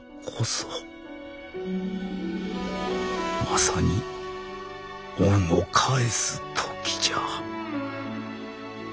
まさに恩を返す時じゃ。